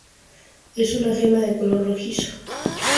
Es una gema de color rojizo.